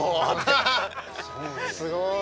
すごい。